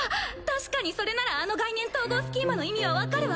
確かにそれならあの概念統合スキーマの意味は分かるわ。